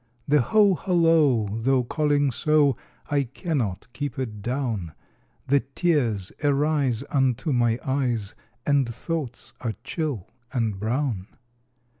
The ho, hollo! though calling so, I cannot keep it down; The tears arise unto my eyes, And thoughts are chill and brown.